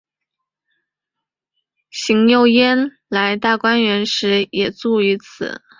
邢岫烟来大观园时也住于此。